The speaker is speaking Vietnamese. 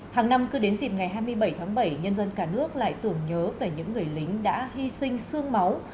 hàng năm cứ đến dịp ngày hai mươi bảy tháng bảy nhân dân cả nước lại tưởng nhớ về những người lính đã hy sinh sương máu